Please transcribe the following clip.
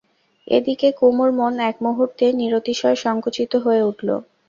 এ দিকে কুমুর মন এক মুহূর্তে নিরতিশয় সংকুচিত হয়ে উঠল।